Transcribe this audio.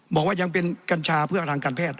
บอกว่ายังเป็นกัญชาเพื่อทางการแพทย์